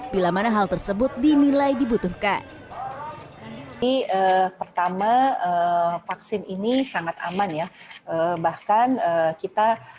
bila mana hal tersebut dinilai dibutuhkan pertama vaksin ini sangat aman ya bahkan kita